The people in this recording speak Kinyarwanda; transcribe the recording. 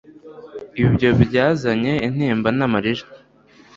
Ibyo byazanye intimba namarira